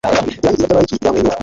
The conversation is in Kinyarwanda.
Irangi ryiza ryabalayiki ryamwenyura